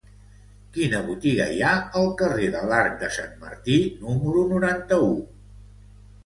Quina botiga hi ha al carrer de l'Arc de Sant Martí número noranta-u?